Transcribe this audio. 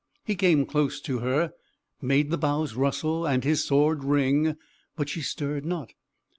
He came close to her, made the boughs rustle, and his sword ring but she stirred not.